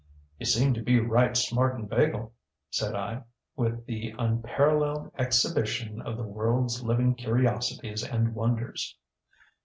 ŌĆ£ŌĆśYou seem to be right smart inveigled, ŌĆÖ says I, ŌĆświth the Unparalleled Exhibition of the WorldŌĆÖs Living Curiosities and Wonders.